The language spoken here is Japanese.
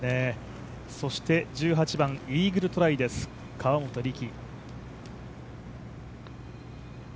そして１８番イーグルトライです、河本力。